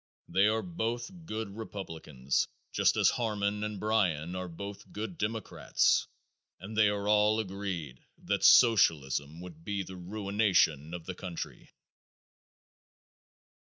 They are both good Republicans, just as Harmon and Bryan are both good Democrats and they are all agreed that Socialism would be the ruination of the country.